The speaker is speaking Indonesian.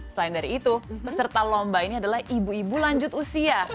selain dari itu peserta lomba ini adalah ibu ibu lanjut usia